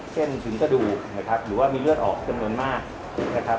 ถึงกระดูกนะครับหรือว่ามีเลือดออกจำนวนมากนะครับ